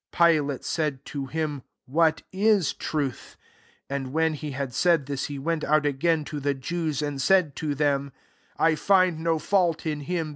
38 Pilate said to him, "What is truth?" And when he had said this, he went out again to the Jews, and said to them, " I find no fault in him.